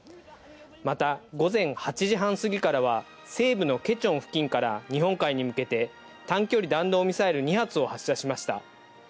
また、午前８時半過ぎからは、西部のケチョン付近から日本海に向けて、短距離弾道ミサイル２発を発射しました。